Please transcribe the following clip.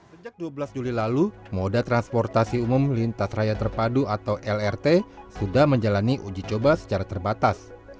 sejak dua belas juli lalu moda transportasi umum lintas raya terpadu atau lrt sudah menjalani uji coba secara terbatas